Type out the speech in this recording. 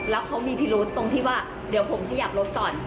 แล้วเขามีพิรุษตรงที่ว่าเดี๋ยวผมขยับรถก่อน